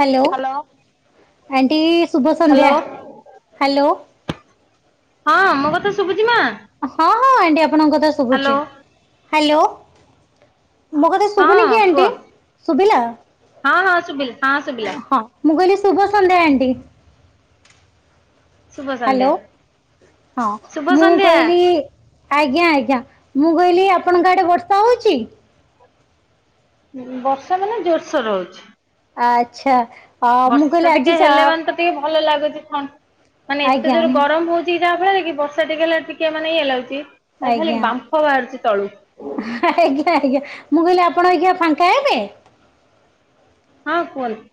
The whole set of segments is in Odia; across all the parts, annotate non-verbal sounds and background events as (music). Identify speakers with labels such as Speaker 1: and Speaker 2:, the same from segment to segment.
Speaker 1: ହାଲୋ
Speaker 2: ହ୍ୟାଲୋ
Speaker 1: ଆଣ୍ଟି ଶୁଭ
Speaker 2: ହ୍ୟାଲୋ
Speaker 1: ସନ୍ଧ୍ୟା ହାଲୋ।
Speaker 2: ହଁ ମୋ କଥା ଶୁଭୁଛି ମା?
Speaker 1: ହଁ ହଁ ଆଣ୍ଟି ଆପଣଙ୍କ କଥା ଶୁଭୁଛି,
Speaker 2: ହ୍ୟାଲୋ
Speaker 1: ହାଲୋ। ମୋ କଥା
Speaker 2: ହଁ
Speaker 1: ଶୁଭୁନି କି ଆଣ୍ଟି?
Speaker 2: କୁହ
Speaker 1: ଶୁଭିଲା
Speaker 2: ହଁ ହଁ ଶୁଭିଲା ହଁ ଶୁଭିଲା
Speaker 1: ହଁ। ମୁ କହିଲି ଶୁଭ ସନ୍ଧ୍ୟା ଆଣ୍ଟି।
Speaker 2: ଶୁଭ
Speaker 1: ହାଲୋ
Speaker 2: ସନ୍ଧ୍ୟା
Speaker 1: ହଁ
Speaker 2: ଶୁଭ
Speaker 1: ମୁଁ
Speaker 2: ସନ୍ଧ୍ୟା
Speaker 1: କହିଲି ଆଜ୍ଞା ଆଜ୍ଞା ମୁଁ କହିଲି ଆପଣଙ୍କ ଆଡେ ବର୍ଷା ହଉଛି?
Speaker 2: ବର୍ଷା ମାନେ ଜୋରସୋର ରେ ହଉଛି।
Speaker 1: ଆଚ୍ଛା ଆ ମୁଁ
Speaker 2: ବର୍ଷା
Speaker 1: କହିଲି
Speaker 2: ଟିକେ
Speaker 1: ଆଜି ଚା
Speaker 2: ହେଲେ ମାନେ ତ ଟିକେ ଭଲ ଲାଗୁଛି ଥ ମାନେ ଏତେ
Speaker 1: ଆଜ୍ଞା
Speaker 2: ଜୋରେ ଗରମ ହଉ ଚି ଯାହା ଫଳରେ କି ବର୍ଷା ଟିକେ ହେଲେ ଟିକେ ମାନେ ଇଏ ଲାଗୁଛି ତା ଖାଲି
Speaker 1: ଆଜ୍ଞା
Speaker 2: ବାମ୍ଫ ବାହାରୁଛି ତଳୁ।
Speaker 1: ଆଜ୍ଞା ଆଜ୍ଞା ମୁଁ କହିଲି ଆପଣ ଅବିକା ଫାଙ୍କା ହେବେ?
Speaker 2: ହଁ କୁହନ୍ତୁ।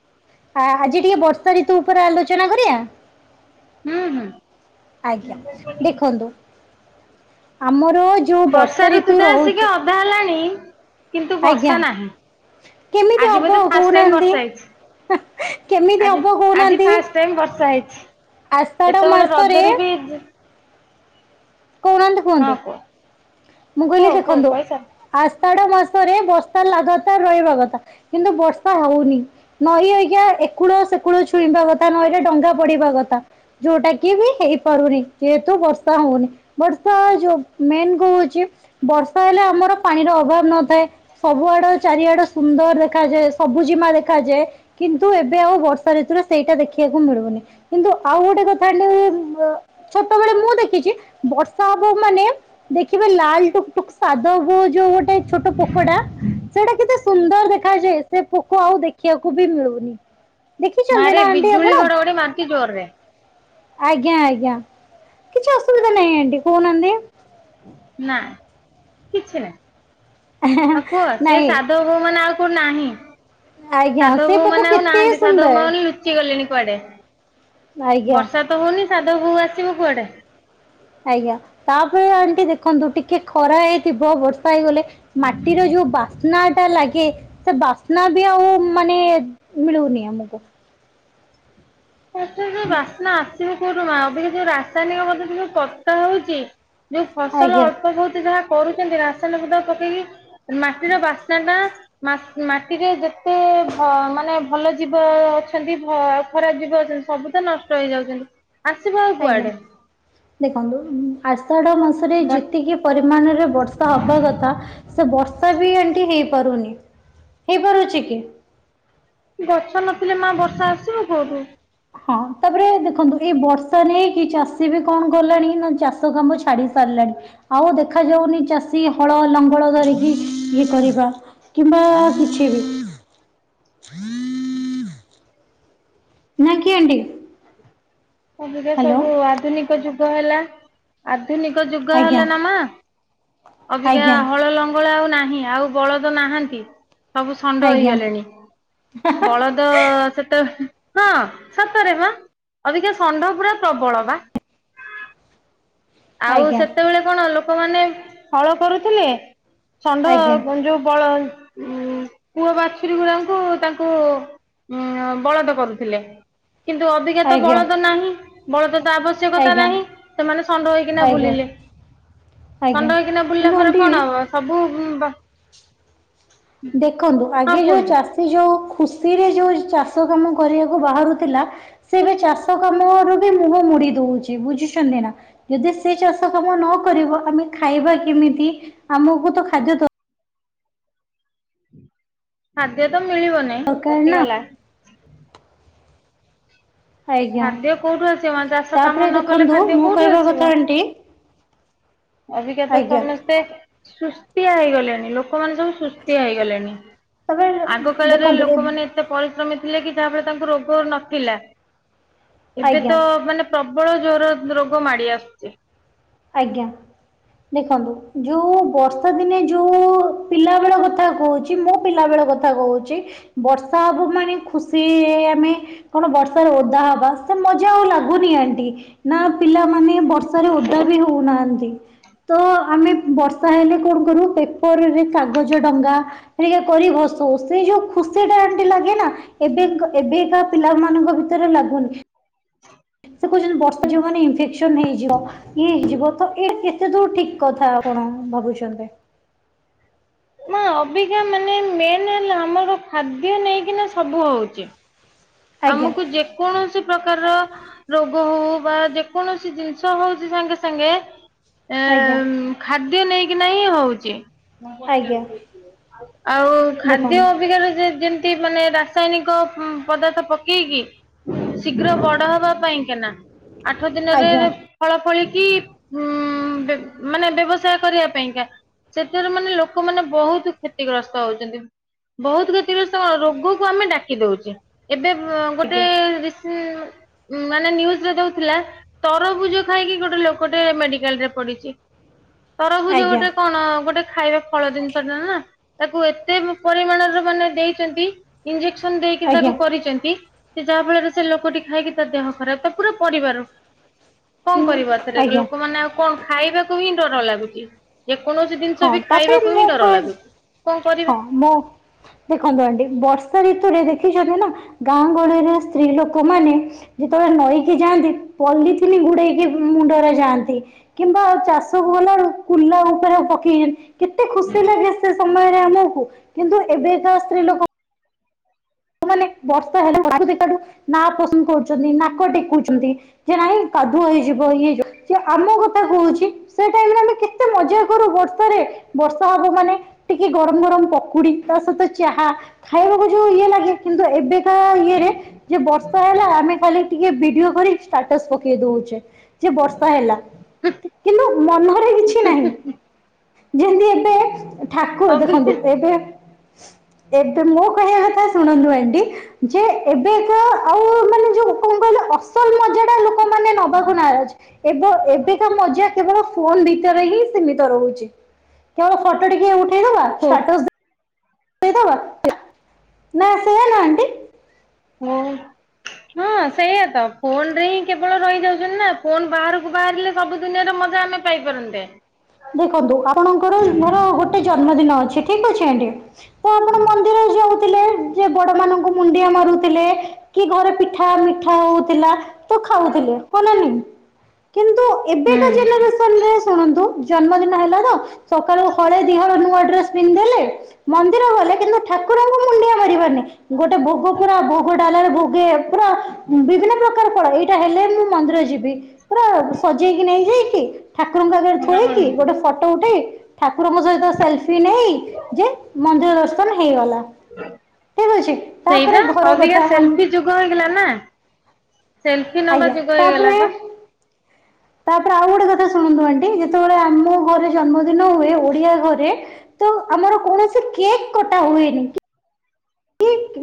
Speaker 1: ହଁ ଆଜି ଟିକେ ବର୍ଷା ଋତୁ ଉପରେ ଆଲୋଚନା କରିବା।
Speaker 2: ହୁଁ ହୁଁ
Speaker 1: ଆଜ୍ଞା ଦେଖନ୍ତୁ ଆମର ଯୋଉ ବର୍ଷା
Speaker 2: ଋତୁ
Speaker 1: ରିତୁ
Speaker 2: ତ ଆସିକି
Speaker 1: ରହୁଛି
Speaker 2: ଅଧା ହେଲାଣି କିନ୍ତୁ
Speaker 1: ଆଜ୍ଞା
Speaker 2: ବର୍ଷା ନାହିଁ।
Speaker 1: କେମିତି
Speaker 2: ଆଜି
Speaker 1: ହବ
Speaker 2: ବୋଧେ ଫାଷ୍ଟ୍ ଟାଇମ୍
Speaker 1: କହୁନାହାନ୍ତି
Speaker 2: ବର୍ଷା ହେଇଛି
Speaker 1: କେମିତି
Speaker 2: ଆଜି,
Speaker 1: ହବ
Speaker 2: ଆଜି
Speaker 1: କହୁନାହାନ୍ତି
Speaker 2: ଫାଷ୍ଟ ଟାଇମ୍ ବର୍ଷା ହେଇଛି
Speaker 1: ଆଷାଢ଼
Speaker 2: ଏତେବେଳେ
Speaker 1: ମାସରେ
Speaker 2: ରଜରେ ବି
Speaker 1: କହୁନାହାନ୍ତି
Speaker 2: ହଁ
Speaker 1: କୁହନ୍ତୁ?
Speaker 2: କୁହ
Speaker 1: ମୁଁ କହିଲି
Speaker 2: କୁହ କୁହ
Speaker 1: ଦେଖନ୍ତୁ
Speaker 2: କହିସାର
Speaker 1: ଆଷାଢ ମାସରେ ବର୍ଷା ଲାଗାତାର ରହିବା କଥା କିନ୍ତୁ ବର୍ଷା ହଉନି। ନଈ ଅବିକା ଏକୁଳ ସେକୁଳ ଛୁଇଁବା କଥା ନଈରେ ଡଙ୍ଗା ପଡିବା କଥା। ଯୋଉଟା କି ବି ହେଇପାରୁନି ଯେହେତୁ ବର୍ଷା ହଉନି, ବର୍ଷା ଯୋଉ ମେନ୍ କୁ ଚି ବର୍ଷା ହେଲେ ଆମର ପାଣିର ଅଭାବ ନଥାଏ। ସବୁ ଆଡ ଚାରିଆଡ ସୁନ୍ଦର ଦେଖାଯାଏ, ସବୁଜିମା ଦେଖାଯାଏ। କିନ୍ତୁ ଏବେ ଆଉ ବର୍ଷା ଋତୁରେ ସେଇଟା ଦେଖିବାକୁ ମିଳୁନି କିନ୍ତୁ ଆଉ ଗୋଟେ କଥା ଖାଲି ବ ଛୋଟବେଳେ ମୁଁ ଦେଖିଛି ବର୍ଷା ହବ ମାନେ ଦେଖିବେ ଲାଲ୍ ଟୁକୁଟୁକୁ ସାଧବ ବହୁ ଯୋଉ ଗୋଟେ ଛୋଟ ପକୋଟା ସେଇଟା କେତେ ସୁନ୍ଦର ଦେଖାଯାଏ ସେ ପୋକ ଆଉ ଦେଖିବାକୁ ବି ମିଳୁନି। ଦେଖିଚନ୍ତି
Speaker 2: ମାରେ
Speaker 1: ନା ଆଣ୍ଟି
Speaker 2: ବିଜୁଳି
Speaker 1: ଆପଣ?
Speaker 2: ଘଡଘଡି ମାରୁଚି ଜୋରରେ
Speaker 1: ଆଜ୍ଞା ଆଜ୍ଞା କିଛି ଅସୁବିଧା ନାହିଁ ଆଣ୍ଟି କହୁନାହାନ୍ତି। ହୁଁ (unintelligible)
Speaker 2: ନାଁ କିଛି ନାଇଁ ହଁ କୁହ ସେ
Speaker 1: ନାଇଁ
Speaker 2: ସାଧ ବୋହୂ ମାନେ ଆଉ କୋଉଠି ନାହିଁ
Speaker 1: ଆଜ୍ଞା
Speaker 2: ସାଧବ
Speaker 1: ସେ
Speaker 2: ବୋହୂ
Speaker 1: ପୋକ
Speaker 2: ମାନେ ଆଉ
Speaker 1: କେତେ
Speaker 2: ନାହାନ୍ତି ସାଧବ
Speaker 1: ସୁନ୍ଦର
Speaker 2: ବୋହୂ ମାନେ ଲୁ ଚି ଗଲେଣି କୁଆଡେ
Speaker 1: ଆଜ୍ଞା।
Speaker 2: ବର୍ଷା ତ ହଉନି ସାଧବ ବୋଉ ଆସିବ କୁଆଡେ।
Speaker 1: ଆଜ୍ଞା ତାପରେ ଆଣ୍ଟି ଦେଖନ୍ତୁ ଟିକେ ଖରା ହେଇଥିବ ବର୍ଷ ପାଇଗଲେ ମାଟିର ଯୋଉ ବାସ୍ନା ଟା ଲାଗେ ସେ ବାସ୍ନା ବି ଆଉ ମାନେ ମିଳୁନି ଆମକୁ।
Speaker 2: ଏତେ ଯୋଉ ବାସ୍ନା ଆସିବ କଉଠୁ ମା ଏବିକା ଯୋଉ ରାସାୟନିକ ପଦ୍ଧତି (unintelligible) ହଉଚି। ଯୋଉ ଫସଲ
Speaker 1: ଆଜ୍ଞା
Speaker 2: ଅଳ୍ପବହୁତ ଯାହା କରୁଛନ୍ତି ରାସାୟନିକ ପଦାର୍ଥ ପକେଇକି ମାଟିର ବାସ୍ନା ଟା ମାସ୍ ମାଟିରେ ଯେତେ ଭ ମାନେ ଭଲ ଜୀବ ଅଛନ୍ତି ଭ ଖରା ଜୀ ଛନ୍ତି ସବୁ ତ ନଷ୍ଟ ହେଇଯାଉଚନ୍ତି ଆସିବ ଆଉ
Speaker 1: ଆଜ୍ଞା।
Speaker 2: କୁଆଡେ।
Speaker 1: ଦେଖନ୍ତୁ ଆଷାଢ ମାସରେ
Speaker 2: ଗ
Speaker 1: ଯେତିକି ପରିମାଣରେ ବର୍ଷା ହବା କଥା ସେ ବର୍ଷା ବି ଏମିତି ହେଇପାରୁନି ହେଇପାରୁଛି କି?
Speaker 2: ଗଛ ନଥିଲେ ମା ବର୍ଷା ଆସିବ କୋଉଠୁ?
Speaker 1: ହଁ ତାପରେ ଦେଖନ୍ତୁ ଏଇ ବର୍ଷା ନେଇକି ଚାଷୀ ବି କଣ କଲାଣି ନା ଚାଷ କାମ ଛାଡି ସାରିଲାଣି। ଆଉ ଦେଖା ଯାଉନି ଚାଷୀ ହଳ ଲଙ୍ଗଳ ଧରିକି ଇଏ କରିବା। କିମ୍ବା କିଛି ବି। ନା କି ଆଣ୍ଟି?
Speaker 2: ଏଵିକା
Speaker 1: ହ୍ୟାଲୋ
Speaker 2: ସବୁ ଆଧୁନିକ ଯୁଗ ହେଲା। ଆଧୁନିକ ଯୁଗ
Speaker 1: ଆଜ୍ଞା
Speaker 2: ହେଲା ନା ମା, ଅବିକା
Speaker 1: ଆଜ୍ଞା
Speaker 2: ହଳ ଲ ଙ୍ଗଳ ଆଉ ନାହିଁ ଆଉ ବଳଦ ନାହାନ୍ତି। ସବୁ ଷଣ୍ଡ
Speaker 1: ଆଜ୍ଞା
Speaker 2: ହେଇଗଲେଣି। ବଳଦ ସେ ହଁ ସତରେ ପା। ଅବିକା ଷଣ୍ଢ ପୁରା ପ୍ରବଳ ବା। ଆଉ
Speaker 1: ଆଜ୍ଞା
Speaker 2: ସେତେବେଳେ କଣ ଲୋ ଲୋକମାନେ ହଳ କରୁଥିଲେ ଷଣ୍ଢ
Speaker 1: ଆଜ୍ଞା
Speaker 2: ଯୋଉ ବଳ ଉ ପୁଅ ବାଛୁରୀ ଗୁଡାଙ୍କୁ ତାଙ୍କୁ ବଳଦ କରୁଥିଲେ। କିନ୍ତୁ ଅବିକା ତ
Speaker 1: ଆଜ୍ଞା
Speaker 2: ବଳଦ ନାହିଁ। ବଳଦ ତ ଆବଶ୍ୟକ ଆବଶ୍ୟକତା
Speaker 1: ଆଜ୍ଞା
Speaker 2: ନାହିଁ। ସେମାନେ ଷଣ୍ଢ ହେଇକିନା
Speaker 1: ଆଜ୍ଞା
Speaker 2: ବୁଲିଲେ।
Speaker 1: ଆଜ୍ଞା
Speaker 2: ଷଣ୍ଢ ହେଇକିନା ବୁଲିଲା
Speaker 1: କିନ୍ତୁ
Speaker 2: ପରେ
Speaker 1: ଆଣ୍ଟି
Speaker 2: କଣ ହବ ସବୁ
Speaker 1: ଦେଖନ୍ତୁ
Speaker 2: ହଁ
Speaker 1: ଆଗେ ଯୋଉ
Speaker 2: କୁହନ୍ତୁ।
Speaker 1: ଚାଷୀ ଯୋଉ ଖୁସିରେ ଯୋଉ ଚାଷ କାମ କରିବାକୁ ବାହାରୁଥିଲା ସେ ଏବେ ଚାଷ କାମରୁ ବି ମୁହଁ ମୋଡି। ଦଉଛି ବୁଝିଛନ୍ତି ନା? ଯଦି ସେ ଚାଷ କାମ ନ କରିବ ଆମେ ଖାଇବା କେମିତି? ଆମକୁ ତ ଖାଦ୍ୟ ଦର
Speaker 2: ଖାଦ୍ୟ ତ ମିଳିବନି।
Speaker 1: ରକାର ନା।
Speaker 2: କଟିଗଲା।
Speaker 1: ଆଜ୍ଞା
Speaker 2: ଖାଦ୍ୟ କୋଉଠୁ ଆସିବ, ଚାଷ
Speaker 1: ତାପରେ
Speaker 2: କାମ ନ କଲେ
Speaker 1: ଦେଖନ୍ତୁ
Speaker 2: ଖାଦ୍ୟ
Speaker 1: ମୁଁ
Speaker 2: କୋଉଠୁ
Speaker 1: କହିବା କଥା
Speaker 2: ଆସିବ?
Speaker 1: ଆଣ୍ଟି
Speaker 2: ଅବିକା ତ
Speaker 1: ଆଜ୍ଞା
Speaker 2: ସମସ୍ତେ ସୁସ୍ଥିଆ ହେଇଗଲେଣିି। ଲୋକମାନେ ସବୁ ସୁସ୍ ଥିଆ ହେଇଗଲେଣି।
Speaker 1: ତାପରେ
Speaker 2: ଆଗ କାଳରେ
Speaker 1: ଦେଖନ୍ତୁ ଏ-
Speaker 2: ଲୋକମାନେ ଏତେ ପରିଶ୍ରମୀ ଥିଲେ କି ଯାହାଫରେ ତାଙ୍କୁ ରୋଗ ନଥିଲା। ଏବେ
Speaker 1: ଆଜ୍ଞା
Speaker 2: ତ ମାନେ ପ୍ରବଳ ଜୋର ରୋଗ ମାଡି ଆସୁଛି।
Speaker 1: ଆଜ୍ଞା। ଦେଖନ୍ତୁ, ଯୋଉ ବର୍ଷା ଦିନେ ଯୋଉ ପିଲା ବେଳ କଥା କହୁଛି ମୋ ପିଲା ବେଳ କଥା କହୁଛି ବର୍ଷା ହେବ ମାନେ ଖୁସି ଆମେ କଣ ବର୍ଷାରେ ଓଦା ହବା ସେ ମଜା ଆଉ ଲାଗୁନି ଆଣ୍ଟି। ନା ପିଲାମାନେ ବର୍ଷାରେ ନାହାନ୍ତି। ଆମେ ବର୍ଷା ହେଲେ କଣ କରୁ ପେପରରେ କାଗଜ ଡଙ୍ଗା (unintelligible) କରି ଭସଉ। ସେ ଯୋଉ ଖୁସି ଟା ଆଣ୍ଟି ଲାଗେ ନା ଏବେ ଏବେକା ପିଲାମାନଙ୍କ ଭିତରେ ଲାଗୁନି।
Speaker 2: (inaudible)
Speaker 1: ସେ କହୁଛନ୍ତି ବର୍ଷା (unintelligible) ମାନେ ଇନଫେକ୍ସନ ହେଇଯିବ। ଇଏ ହେଇ ଯିବ। ତ ଏ କେତେ ଦୂର ଠିକ୍ କଥା ଆପଣ ଭାବୁଛନ୍ତି?
Speaker 2: ମା ଅବିକା ମାନେ ମେନ୍ ହେଲା ଆମର ଖାଦ୍ୟ ନେଇକିନା ସବୁ ହଉଛି।
Speaker 1: ଆଜ୍ଞା
Speaker 2: ଆମକୁ ଯେକୌଣସି ପ୍ରକାର ର ରୋଗ ହଉ ବା ଯେକୌଣସି ଜିନିଷ ହଉଛି ସାଙ୍ଗେ ସାଙ୍ଗେ
Speaker 1: ଆଜ୍ଞା।
Speaker 2: ଖାଦ୍ୟ ନେଇକିନା ହିଁ ହଉଛି।
Speaker 1: ଆଜ୍ଞା
Speaker 2: ଆଉ ଖାଦ୍ୟ
Speaker 1: ଦେଖନ୍ତୁ
Speaker 2: ଅବିକା ର ଯେମିତି ମାନେ ରାସାୟନିକ ପଦାର୍ଥ ପକେଇକି ଶୀଘ୍ର ବଡ ହବା ପାଇଁ କିନା ଆଠ ଦିନରେ
Speaker 1: ଆଜ୍ଞା
Speaker 2: ଫଳ ଫଳିକି ଉଁ ମାନେ ବ୍ୟବସାୟ କରିବା ପାଇଁ କା ସେଠାରୁ ମାନେ ଲୋକମାନେ ମାନେ ବହୁତ କ୍ଷତିଗ୍ରସ୍ତ ହଉଛନ୍ତି। ବହୁତ କ୍ଷତିଗ୍ରସ୍ତ କଣ ରୋଗକୁ ଆମେ ଡାକି ଦଉଚେ। ଏବେ ଗୋଟେ
Speaker 1: ଆଜ୍ଞା
Speaker 2: ରି ମାନେ ନିଉଜରେ ଦଉଥିଲା ତରଭୁଜ ଖାଇକି ଗୋଟେ ଲୋକଟେ ମେଡିକାଲ ରେ ପଡିଛି। ତରଭୁଜ
Speaker 1: ଆଜ୍ଞା
Speaker 2: ଗୋଟେ କଣ ଗୋଟେ ଖାଇବା ଫଳ ଜିନିଷଟା ନା ତାକୁ ଏତେ ପରିମାଣର ମାନେ ଦେଇଛନ୍ତି। ଇଞ୍ଜେକ୍ସନ ଦେଇକି
Speaker 1: ଆଜ୍ଞା
Speaker 2: ତାକୁ ଯାହା ଫଳରେ ସେ ଲୋକଟି ଖାଇକି ତା ଦେହ ଖରାପ ତା ପୁରା ପରିବାର। କଣ କରିବ ଏଥିରେ
Speaker 1: ଆଜ୍ଞା
Speaker 2: ଲୋକମାନେ ଆଉ କଣ ଖାଇବାକୁ ହିଁ ଡର ଲାଗୁଛି। ଯେ କୌଣସି ଜିନିଷ
Speaker 1: ହଁ
Speaker 2: ବି
Speaker 1: ତାପରେ
Speaker 2: ଖାଇବାକୁ ହିଁ ଡର
Speaker 1: ମୁଁ
Speaker 2: ଲାଗୁଛି କଣ କରିବା?
Speaker 1: ହଁ ମୋ ଦେଖନ୍ତୁ ଆଣ୍ଟି ବର୍ଷା ଋତୁରେ ଦେଖିଛନ୍ତି ନା ଗାଁ ଗହଳିରେ ସ୍ତ୍ରୀ ଲୋକମାନେ ଯେତେବେଳେ ନଈକି ଯାଆନ୍ତି ପଲିିଥିନ ଗୁଡେଇକି ମୁଣ୍ଡରେ ଯାଆନ୍ତି। କିମ୍ବା ଚାଷକୁ ଗଲାବେଳକୁ କୁଲା ଉପରେ ପକେଇ କେତେ ଖୁସି ଲାଗେ ସେ ସମୟରେ ଆମକୁ କିନ୍ତୁ ଏବେକା ସ୍ତ୍ରୀ ଲୋକ ସ୍ତ୍ରୀଲୋକ ମାନେ ବର୍ଷା (inaudible) ନାପସନ୍ଦ କରୁଛନ୍ତି ନାକ ଟେକୁଛନ୍ତି। ଯେ ନାଇଁ କାଦୁଅ ହେଇଯିବ ଇଏ ହେଇଯିବ ସେ ଆମ କଥା କହୁଛି? ସେ ଟାଇମରେ ଆମେ କେତେ ମଜ୍ଜା କରୁ ବର୍ଷାରେ ବର୍ଷା ହବ ମାନେ ଟିକେ ଗରମ ଗରମ ପକୁଡି ତା ସହିତ ଚାହା ଖାଇବାକୁ ଯୋଉ ଇଏ ଲାଗେ କିନ୍ତୁ ଏବେ କା ଇଏରେ ଯେ ବର୍ଷା ହେଲା ଆମେ ଖାଲି ଟିକେ ଭିଡିଓ କରି ଷ୍ଟାଟସ ପକେଇ ଦଉଛେ। ଯେ ବର୍ଷା ହେଲା କିନ୍ତୁ ମନରେ କିଛି ନାହିଁ। ଯେମତି ଏବେ ଠାକୁ
Speaker 2: ଅବି
Speaker 1: ଦେଖନ୍ତୁ ଏବେ ଏବେ ମୋ କହିବା କଥା ଶୁଣନ୍ତୁ ଆ ଆଣ୍ଟି ଯେ ଏବେ କା ଆଉ ମାନେ ଯୋଉ କଣ କହିଲ ଅସଲ ମଜ୍ଜାଟା ଲୋ ଲୋକମାନେ ନବାକୁ ନାରାଜ। ଏବେକା ମଜ୍ଜା କେବଳ ଫୋନ ଭିତରେ ହିଁ ସୀମିତ ରହୁଛି। କେବଳ ଫଟୋ ଟିକେ ଉଠେଇଦବା
Speaker 2: ହୋ
Speaker 1: ଷ୍ଟାଟସ୍ ଦେଇଦବା ସେ ନା ସେୟାନା ଆଣ୍ଟି।
Speaker 2: ହୁଁ। ହଁ ସେଇଆ ତ ଫୋନରେ ହିଁ କେବଳ ରହିଯାଉଛନ୍ତି ନା ଫୋନ ବାହାରକୁ ବାହାରିଲେ ସବୁ ଦୁନିଆରେ ମଜ୍ଜା ଆମେ ପାଇପାରନ୍ତେ।
Speaker 1: ଦେଖନ୍ତୁ ଆପଣଙ୍କର ମୋର ଗୋଟେ ଜନ୍ମଦିନ ଅଛି ଠିକ ଅଛି ଆଣ୍ଟି। ତ ଆପଣ ମନ୍ଦିର ଯାଉଥିଲେ ଯେ ବଡମାନଙ୍କୁ ମୁଣ୍ଡିଆ ମାରୁଥିଲେ କି ଘରେ ପି ପିଠା ମିଠା ହଉଥିଲା ତ ଖାଉଥିଲେ ହଁ ନା ନାହିଁ? କିନ୍ତୁ ଏବେକା
Speaker 2: ହୁଁ।
Speaker 1: ଜେନେସନରେ ଶୁଣନ୍ତୁ ଜନ୍ମଦିନ ହେଲା ତ ସକାଳୁ ହଳେ ଦିହଳ ନୂଆ ଡ୍ରେସ ପିନ୍ଧିଦେଲେ ମନ୍ଦିର ଗଲେ କିନ୍ତୁ ଠାକୁରଙ୍କୁ ମୁଣ୍ଡିଆ ମାରିବାର ନାହିଁ। ଗୋଟେ ଭୋଗ ପୁରା ଭୋଗ ଡାଲାରେ ଭୋଗେ ପୁରା ବିଭିନ୍ନ ପ୍ର ଫଳ ଏଇଟା ହେଲେ ମୁଁ ମନ୍ଦିର ଯିବି ପୁରା ସଜେଇକି ନେଇଯାଇକି ଠାକୁରଙ୍କ ଆଗ ରେ ଥୋଇ କି ଗୋଟେ ଫଟୋ ଉଠେଇ? ଠାକୁରଙ୍କ ସହିତ ସେଲଫି ନେଇ ଯେ ମନ୍ଦିର ଦର୍ଶନ ହେଇଗଲା। ଠିକ ଅଛି
Speaker 2: ସେଇବା
Speaker 1: ତାପରେ ଘର
Speaker 2: ଅବିକା
Speaker 1: କଥା ଆମ
Speaker 2: ସେଲ୍ଫି ଯୁଗ ହେଇଗଲା ନା ସେଲ୍ଫି ନବା
Speaker 1: ଆଜ୍ଞା
Speaker 2: ଯୁଗ ହେଇଗଲା
Speaker 1: ତାପରେ
Speaker 2: ବା।
Speaker 1: ତାପରେ ଆଉ ଗୋଟେ କଥା ଶୁଣନ୍ତୁ ଆଣ୍ଟି ଯେତେବେଳେ ଆମ ଘରେ ଜନ୍ମଦିନ ହୁଏ ଓଡିଆ ଘରେ ତ ଆମର କୌଣସି କେକ୍ କଟା ହୁଏନି।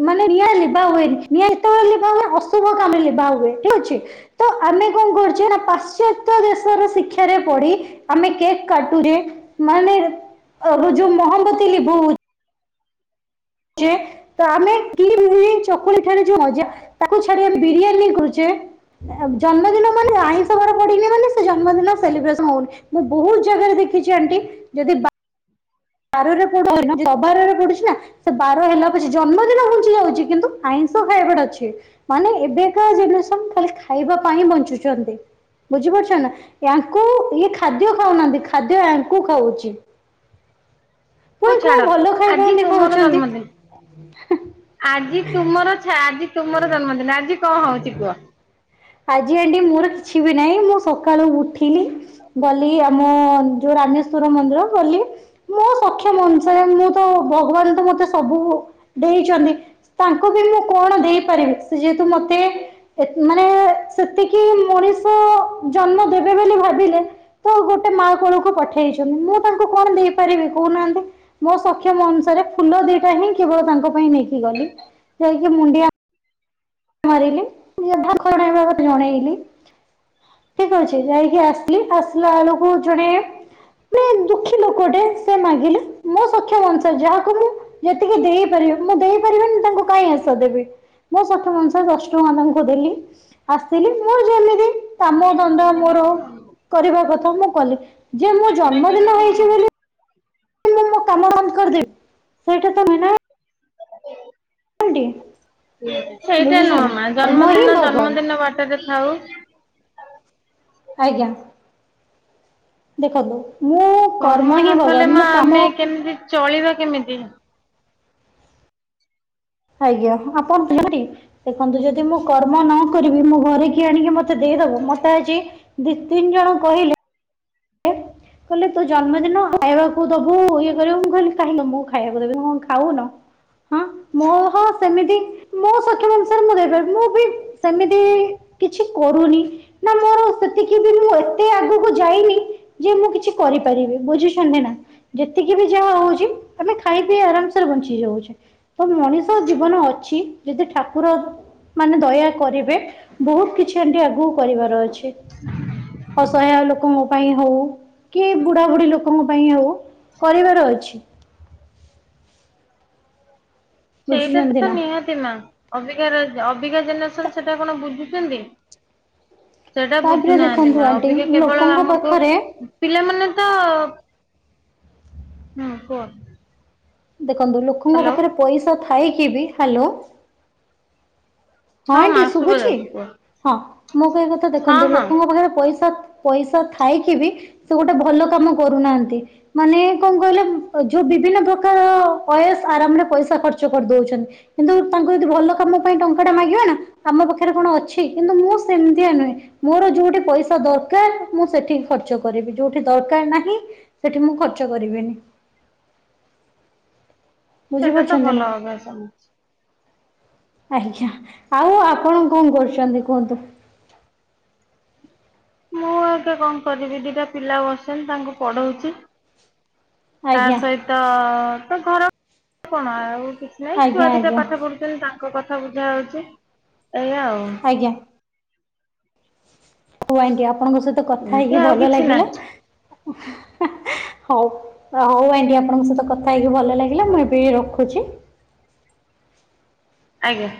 Speaker 1: ମାନେ ନିଆଁ ଲିଭା ହୁଏନି ନିଆଁ କେତେବେଳେ ଲିଭା ହୁଏ ଅଶୁଭ କାମରେ ଲିଭା ହୁଏ ଠିକ ଅଛି। ତ ଆମେ କଣ କରୁଛେ ନା ପାଶ୍ଚାତ୍ୟ ଦେଶର ଶିକ୍ଷାରେ ପଡି ଆମେ କେକ୍ କାଟୁଛେ ମାନେ ଯୋଉ ମହମବତି ଲିଭଉ ଛେ ତ ଆମେ କି ଚକୁଲି ପିଠାରେ ଯୋଉ ମଜା ତାକୁ ଛାଡି ଆମେ ବିରିୟାନୀ କରୁଛେ। ଜନ୍ମଦିନ ମାନେ ଆଇଁଷ ବାର ପଡିନି ମାନେ ସେ ଜନ୍ମଦିନ ସେଲିବ୍ରେସନ ହଉନି। ମୁଁ ବହୁତ ଜାଗାରେ ଦେଖିଛି ଆଣ୍ଟି ଯଦି ବା ବାରରେ ପଡୁନି ଯଦି ଅବାରରେ ପଡୁଛି ନା ସେ ବାର ହେଲା ପଛେ ଜନ୍ମଦିନ ଘୁଞ୍ଚି ଯାଉଛି କିନ୍ତୁ ଆଇଁଷ ଖାଇବାଟା ଅଛି। ମାନେ ଏବେକା ଜେନେରେସନ ଖାଲି ଖାଇବା ପାଇଁ ବଂଚୁଛନ୍ତି। ବୁଝି ପାରୁଛ ନା ୟାଙ୍କୁ ଇଏ ଖାଦ୍ୟ ଖାଉନାହାନ୍ତି ଖାଦ୍ୟ ୟାଙ୍କୁ ଖାଉଛି।
Speaker 2: ହଉ
Speaker 1: ପୁଣି କୋଉ
Speaker 2: ଛାଡ
Speaker 1: ଭଲ ଖାଇବା
Speaker 2: ଆଜି
Speaker 1: ଏମିତି
Speaker 2: ତୁମର
Speaker 1: ଖାଉଛନ୍ତି
Speaker 2: ଜନ୍ମଦି ଆଜି ତୁମର ଛା ଆଜି ତୁମର ଜନ୍ମଦିନ ଆଜି କଣ ହଉଛି କୁହ?
Speaker 1: ଆଜି ଆଣ୍ଟି ମୋର କିଛି ବି ନାହିଁ ମୁଁ ସକାଳୁ ଉଠିଲି ଗଲି ଆମ ଯୋଉ ରାମେଶ୍ଵର ମନ୍ଦିର ଗଲି। ମୋ ସକ୍ଷମଅନୁସାରେ ମୁଁ ତ ଭଗବାନ ତ ମତେ ସବୁ ଦେଇଛନ୍ତି। ତାଙ୍କୁ ବି ମୁଁ କଣ ଦେଇପାରିବି ସେ ଯେହେତୁ ମତେ ଏ ମାନେ ସେତିକି ମଣିଷ ଜନ୍ମ ଦେବେ ବୋଲି ଭାବିଲେ ତ ଗୋଟେ ମା କୋଳକୁ ପଠେଇଛନ୍ତି ମୁଁ ତାଙ୍କୁ କଣ ଦେଇ ପାରିବି କହୁନାହାନ୍ତି ମୋ ସକ୍ଷମ ଅନୁସାରେ ଫୁଲ ଦିଟା ହିଁ କେବଳ ତାଙ୍କ ପାଇଁ ନେଇକି ଗଲି। ଯାଇକି ମୁଣ୍ଡିଆ ମାରିଲି ଜଣେଇଲି (unintelligible) ଠିକ ଅଛି ଯାଇକି ଆସିଲି ଆସିଲା ବେଳକୁ ଜଣେ ମାନେ ଦୁଃଖୀ ଲୋକଟେ ସେ ମାଗିଲା ମୋ ସକ୍ଷମ ଅନୁସାରେ ଯାହାକୁ ମୁଁ ଯେତିକି ଦେଇପାରିବି ମୁଁ ଦେଇପାରିବିନି ତାଙ୍କୁ କାଇଁ ଆସା ଦେବି ମୋ ସକ୍ଷମ ଅନୁସା ଦଶ ଟଙ୍କା ତାଙ୍କୁ ଦେଲି ଆସିଲି ମୁଁ ଯେମିତି କାମ ଧନ୍ଦା ମୋର କରିବା କଥା ମୁଁ କଲି ଯେ ମୁଁ ଜନ୍ମଦିନ ହେଇଛି ବୋଲି ମୁଁ ମଁ କାମ ବନ୍ଦ କରିଦେବି ସେଇଟା ତ ନୁହେଁ ନା। ଆଣ୍ଟି
Speaker 2: ସେଇଟା
Speaker 1: ବୁଝୁଛ
Speaker 2: ନୁହଁ
Speaker 1: ନା
Speaker 2: ମା
Speaker 1: କର୍ମ ହିଁ
Speaker 2: ଜନ୍ମଦିନ
Speaker 1: ଭଗବାନ
Speaker 2: ଜନ୍ମଦିନ ବାଟରେ ଥାଉ।
Speaker 1: ଆଜ୍ଞା ଦେଖନ୍ତୁ ମୁଁ
Speaker 2: କର୍ମ
Speaker 1: ହିଁ
Speaker 2: ନ କଲେ
Speaker 1: ଭଗବାନ
Speaker 2: ମା
Speaker 1: ମୁଁ
Speaker 2: ଆମେ
Speaker 1: କାମ
Speaker 2: କେମିତି ଚଳିବା କେମିତି?
Speaker 1: ଆଜ୍ଞା ଆପଣ (unintelligible) ତଛନ୍ତି ଦେଖନ୍ତୁ ଯଦି ମୁଁ କର୍ମ ନ କରିବି ମୁଁ ଘରେ କିି ଆଣିକି ମତେ ଦେଇଦବ ମତେ ଆଜି ଦି ତିନି ଜଣ କହିଲେ କହିଲେ ତୋ ଜନ୍ମଦିନ ଖାଇବାକୁ ଦବୁ ଇଏ କରିବୁ ମୁଁ କହିଲି କାହିଁ ମୁଁ ଖାଇବାକୁ ଦେବି ତମେ କଣ ଖାଉନ। ହଁ ମୋ ହଁ ସେମିତି ମୋ ସକ୍ଷମ ଅନୁସାରେ ମୁଁ ଦେଇପାରିବି ମୁଁ ବି ସେମିତି କିଛି କରୁନି। ନା ମୋର ସେତିକି ବି ମୁଁ ଏତେ ଆଗକୁ ଯାଇନି ଯେ ମୁଁ କିଛି କରିପାରିବି ବୁଝୁଶନ୍ତି ନା? ଯେତିକି ବି ଯାହା ହଉଛି ଆମେ ଖାଇ ପି ଆରାମସରେ ବଞ୍ଚି ଯାଉଛୁ। ତ ମଣିଷ ଜୀବନ ଅଛି ଯଦି ଠାକୁର ମାନେ ଦୟା କରିବେ ବହୁତ କିଛି ଆଣ୍ଟି ଆଗକୁ କରିବାର ଅଛି। ଏ ଅସହାୟ ଲୋକ ଙ୍କ ପାଇଁ ହଉ କି ବୁଢ଼ାବୁଢ଼ୀ ଲୋକଙ୍କ ପାଇଁ ହୋଉ କରିବାର ଅଛି।
Speaker 2: ସେଇଟା
Speaker 1: ବୁଝୁଛନ୍ତି
Speaker 2: ତ
Speaker 1: ନା
Speaker 2: ନିହାତି ମା ଅବିକାର ଅବିକା
Speaker 1: ତ
Speaker 2: ଜେନେରେସନ ସେଟା କଣ ବୁଝୁଛନ୍ତି? ସେଟା
Speaker 1: ତାପରେ
Speaker 2: ବୁଝୁନାହାନ୍ତି
Speaker 1: ଦେଖନ୍ତୁ
Speaker 2: ମା
Speaker 1: ଆଣ୍ଟି
Speaker 2: ଅବିକା କେବଳ
Speaker 1: ଲୋକଙ୍କ
Speaker 2: ଆମକୁ
Speaker 1: ପାଖରେ
Speaker 2: ପିଲାମାନେ ତ ହୁଁ କୁହ
Speaker 1: ଦେଖନ୍ତୁ ଲୋକଙ୍କ
Speaker 2: ହ୍ୟାଲୋ।
Speaker 1: ପାଖରେ ପଇସା ଥାଇ କି ବି ହ୍ୟାଲୋ। ହଁ
Speaker 2: ମା
Speaker 1: ଆଣ୍ଟି
Speaker 2: ଶୁଭା
Speaker 1: ଶୁଭୁଛି
Speaker 2: ଯାଉଛି କୁହ
Speaker 1: ହଁ ମୋ କହିବା କଥା
Speaker 2: ହଁ
Speaker 1: ଦେଖନ୍ତୁ
Speaker 2: ହଁ
Speaker 1: ଲୋକଙ୍କ ପାଖରେ ପଇସା ପଇସା ଥାଇକି ବି ସେ ଗୋଟେ ଭଲ କାମ କରୁନାହାନ୍ତି। ମାନେ କଣ କହିଲେ ଯୋଉ ବିଭିନ୍ନ ପ୍ରକାର ଅୟସ ଆରାମରେ ପଇସା ଖର୍ଚ୍ଚ କରିଦଉଛନ୍ତି। କିନ୍ତୁ ତାଙ୍କୁ ଯଦି ଭଲ କାମ ପାଇଁ ଟଙ୍କା ଟେ ମାଗିବ ନା। ଆମ ପାଖରେ କଣ ଅଛି, କିନ୍ତୁ ମୁଁ ସେମିତିଆ ନୁହେଁ। ମୋର ଯୋଉଠି ପଇସା ଦରକାର ମୁଁ ସେଠିକି ଖର୍ଚ୍ଚ କରିବି। ଯୋଉଠି ଦରକାର ନାହିଁ ସେଠି ମୁଁ ଖର୍ଚ୍ଚ କରିବିନି।
Speaker 2: ସେଟା ତ
Speaker 1: ବୁଝିପାରୁଛନ୍ତି ନା?
Speaker 2: ଭଲ ଅଭ୍ୟାସ।
Speaker 1: ଆଜ୍ଞା। ଆଉ ଆପଣ କଣ କରୁଛନ୍ତି କୁହନ୍ତୁ?
Speaker 2: ମୁଁ ଅବିକା କଣ କରିବି ଦିଟା ପିଲା ବସିଛନ୍ତି ତାଙ୍କୁ ପଢଉଚି। ତା
Speaker 1: ଆଜ୍ଞା
Speaker 2: ସହିତ ତ ଘର କଣ ଆଉ କିଛି ନାହିଁ
Speaker 1: ଆଜ୍ଞା
Speaker 2: ଛୁଆ ଦିଟା
Speaker 1: ଆଜ୍ଞା।
Speaker 2: ପାଠ ପଢୁ ତାଙ୍କ କଥା ବୁଝା ହଉଚି ଏଇଆ ଆଉ।
Speaker 1: ଆଜ୍ଞା। ହଉ ଆଜ୍ଞା, ଆପଣଙ୍କ ସହିତ କଥା
Speaker 2: ଏମିତି
Speaker 1: ହେଇକି
Speaker 2: ଆଉ
Speaker 1: ଭଲ
Speaker 2: କିଛି
Speaker 1: ଲାଗିଲା।
Speaker 2: ନାହିଁ
Speaker 1: ହଉ ହଉ ଆଜ୍ଞା ଆପଣଙ୍କ ସହିତ କଥା ହେଇକି ଭଲ ଲା ଗିଲା, ମୁଁ ଏବେ ରଖୁଚି।
Speaker 2: ଆଜ୍ଞା।